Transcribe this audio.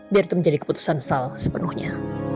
biar itu menjadi keputusan sal sepenuhnya